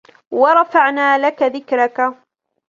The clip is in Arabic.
وَرَفَعْنَا لَكَ ذِكْرَكَ